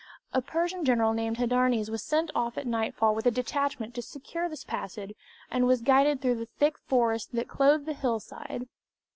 A Persian general, named Hydarnes, was sent off at nightfall with a detachment to secure this passage, and was guided through the thick forests that clothed the hill side.